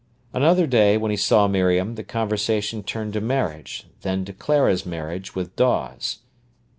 Another day, when he saw Miriam, the conversation turned to marriage, then to Clara's marriage with Dawes.